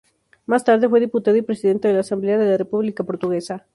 Más tarde fue diputado y presidente de la Asamblea de la República Portuguesa.